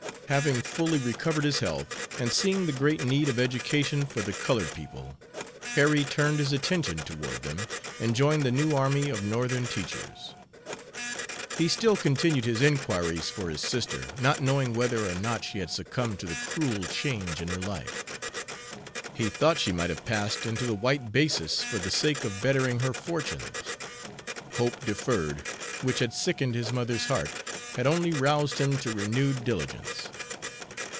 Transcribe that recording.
Having fully recovered his health, and seeing the great need of education for the colored people, Harry turned his attention toward them, and joined the new army of Northern teachers. He still continued his inquiries for his sister, not knowing whether or not she had succumbed to the cruel change in her life. He thought she might have passed into the white basis for the sake of bettering her fortunes. Hope deferred, which had sickened his mother's heart, had only roused him to renewed diligence.